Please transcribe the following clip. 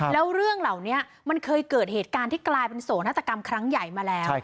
แล้วเรื่องเหล่านี้มันเคยเกิดเหตุการณ์ที่กลายเป็นโศกนาฏกรรมครั้งใหญ่มาแล้ว